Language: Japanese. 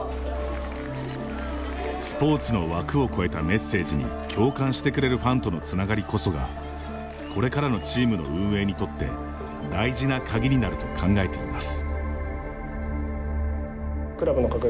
スポーツの枠を超えたメッセージに共感してくれるファンとのつながりこそがこれからのチームの運営にとって大事な鍵になると考えています。